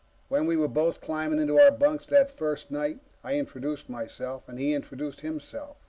When we were both climbing into our bunks, that first night, I introduced myself and he introduced himself.